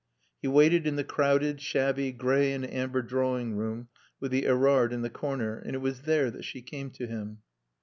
He waited in the crowded shabby gray and amber drawing room with the Erard in the corner, and it was there that she came to him.